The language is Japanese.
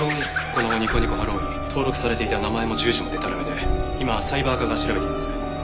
このにこにこハロウィーン登録されていた名前も住所もでたらめで今サイバー課が調べています。